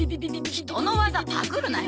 人の技パクるなよ。